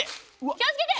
気をつけて！